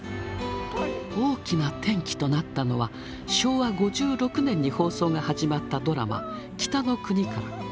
大きな転機となったのは昭和５６年に放送が始まったドラマ「北の国から」。